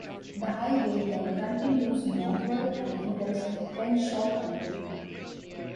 The highway then continues northward and enters Crenshaw County.